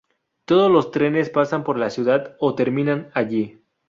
Todos los trenes pasan por la ciudad o terminan allí.